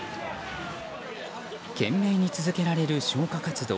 懸命に続けられる消火活動。